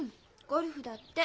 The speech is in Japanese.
ゴルフだって。